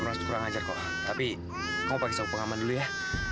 kamu boleh kacau kita surut kacau dulu ya